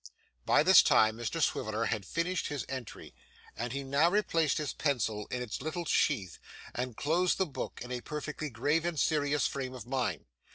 By this time, Mr Swiveller had finished his entry, and he now replaced his pencil in its little sheath and closed the book, in a perfectly grave and serious frame of mind.